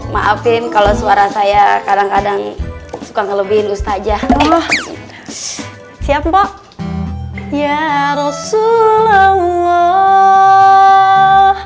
maafin kalau suara saya kadang kadang suka ngelebihin ustazah siap pok ya rasulullah